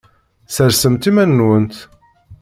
Ssersemt iman-nwent.